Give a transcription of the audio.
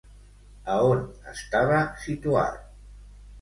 A on estava situat?